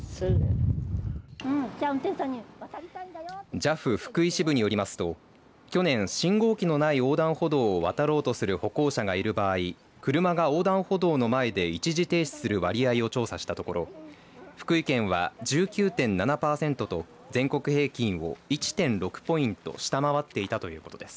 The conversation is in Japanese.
ＪＡＦ福井支部によりますと去年、信号機のない横断歩道を渡ろうとする歩行者がいる場合車が横断歩道の前で一時停止する割合を調査したところ福井県は１９．７パーセントと全国平均を１．６ポイント下回っていたということです。